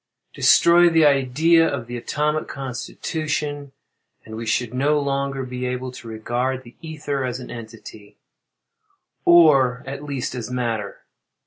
Destroy the idea of the atomic constitution and we should no longer be able to regard the ether as an entity, or at least as matter.